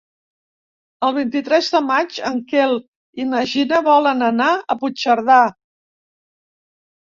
El vint-i-tres de maig en Quel i na Gina volen anar a Puigcerdà.